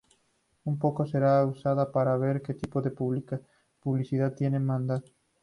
como poco, será usada para ver qué tipo de publicidad te mandan